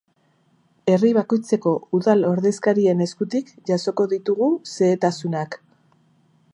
Herri bakoitzeko udal ordezkarien eskutik jasoko ditugu xehetasunak.